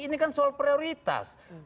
ini kan soal prioritas